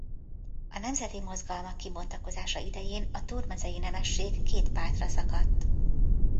A nemzeti mozgalmak kibontakozása idején a túrmezei nemesség két pártra szakadt.